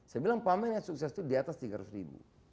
saya bilang pameran yang sukses itu diatas tiga ratus ribu